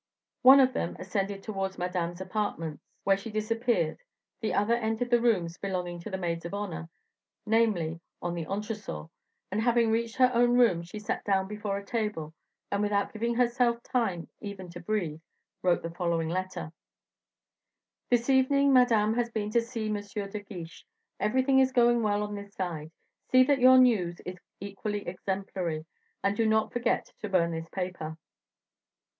One of them ascended towards Madame's apartments, where she disappeared; the other entered the rooms belonging to the maids of honor, namely, on the entresol, and having reached her own room, she sat down before a table, and without giving herself time even to breathe, wrote the following letter: "This evening Madame has been to see M. de Guiche. Everything is going well on this side. See that your news is equally exemplary, and do not forget to burn this paper."